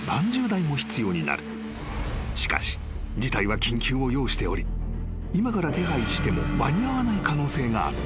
［しかし事態は緊急を要しており今から手配しても間に合わない可能性があった］